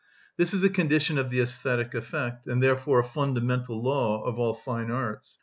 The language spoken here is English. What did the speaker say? This is a condition of the æsthetic effect, and therefore a fundamental law of all fine arts.